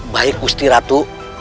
baik gusti ratu